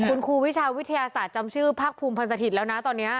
คุณครูวิชาวิทยาศาสตร์จำชื่อภาคภูมิพันธิ์แล้วนะตอนนี้